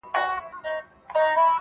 مړ يې کړم اوبه له ياده وباسم.